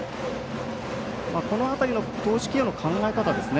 この辺りの投手起用の考え方ですね。